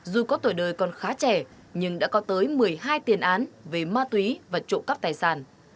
dù có tuổi đời còn khá trẻ nhưng đã có tới một mươi hai tiền án về ma túy và trộm cắp tài sản